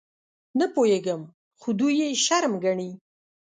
_نه پوهېږم، خو دوی يې شرم ګڼي.